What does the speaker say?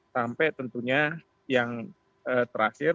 sampai tentunya yang terakhir